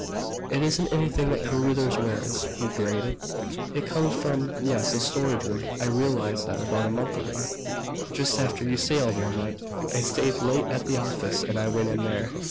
"It isn't anything that Carruthers wears," he grated. "It comes from yes, the storage room. I realized that about a month ago. Just after you sailed one night I stayed late at the office, and I went in there....